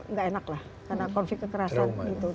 tidak enak lah karena konflik keterasan